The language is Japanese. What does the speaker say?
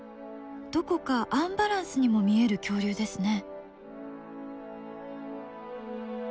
どこかアンバランスにも見える恐竜ですね。